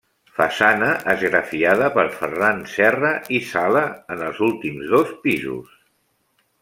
Façana esgrafiada per Ferran Serra i Sala en els últims dos pisos.